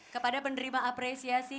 kepada penderima apresiasi